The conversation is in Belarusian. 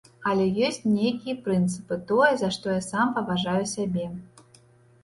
Але ёсць нейкія прынцыпы, тое, за што я сам паважаю сябе.